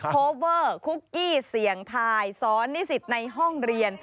โคเวอร์คุกกี้เสี่ยงทายสอนนิสิตในห้องเรียน